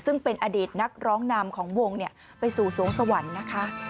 ซึ่งเป็นอดีตนักร้องนำของวงไปสู่สวงสวรรค์นะคะ